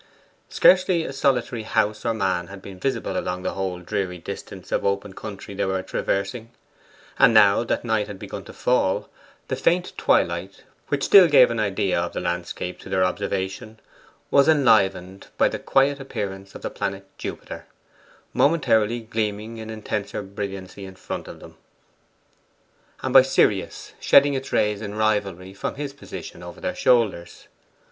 Scarcely a solitary house or man had been visible along the whole dreary distance of open country they were traversing; and now that night had begun to fall, the faint twilight, which still gave an idea of the landscape to their observation, was enlivened by the quiet appearance of the planet Jupiter, momentarily gleaming in intenser brilliancy in front of them, and by Sirius shedding his rays in rivalry from his position over their shoulders.